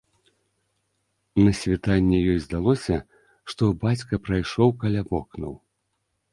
На світанні ёй здалося, што бацька прайшоў каля вокнаў.